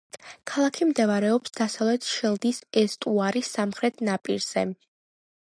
ქალაქი მდებარეობს დასავლეთ შელდის ესტუარის სამხრეთ ნაპირზე.